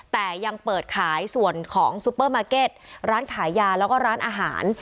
แต่ยังเปิดขายส่วนของซุปเปอร์มาร์เก็ตร้านขายยาแล้วก็ร้านอาหาร